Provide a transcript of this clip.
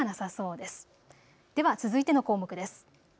では続いての項目です。